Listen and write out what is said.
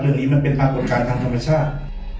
นี้มันเป็นปรากฏการณ์ทางธรรมชาติ